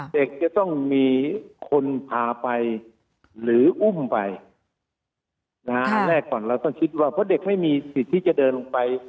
เด็กจะต้องมีคนพาไปหรืออุ้มไปนะฮะอันแรกก่อนเราต้องคิดว่าเพราะเด็กไม่มีสิทธิ์ที่จะเดินลงไป